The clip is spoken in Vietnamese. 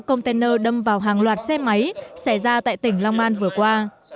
container đâm vào hàng loạt xe máy xảy ra tại tỉnh long an vừa qua